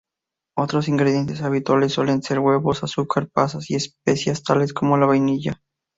Otros ingredientes habituales suelen ser huevos, azúcar, pasas y especias tales como la vainilla.